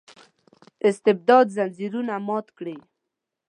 استبداد ځنځیرونه مات کړي.